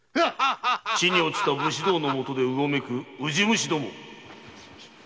・地に堕ちた武士道の下でうごめくウジ虫ども！